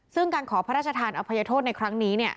ซึ่งการขอพระราชทานอภัยโทษในครั้งนี้